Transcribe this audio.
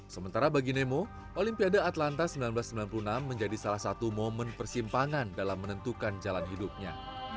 sementara bagi nemo olimpiade atlanta seribu sembilan ratus sembilan puluh enam menjadi salah satu momen persimpangan dalam menentukan jalan hidupnya